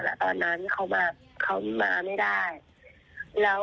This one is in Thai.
คือพี่ตำรวจโทรไปคุยเขาโมโหเขาบอกสิว่า